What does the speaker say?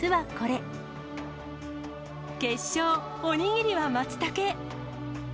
決勝、お握りはまつたけ。